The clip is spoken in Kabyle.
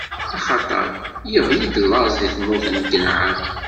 Axaṭer iɣli-d laẓ di tmurt n Kanɛan.